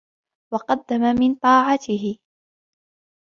وَقَدَّمَ مِنْ طَاعَتِهِ